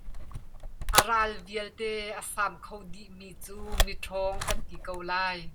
A ral vialte a sam kho dihmi cu miṭhawng kan ti ko lai.